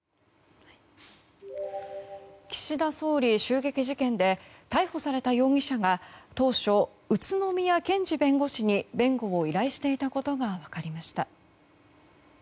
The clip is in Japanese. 岸田総理襲撃事件で逮捕された容疑者が当初、宇都宮健児弁護士に弁護を依頼していたことが分かりました。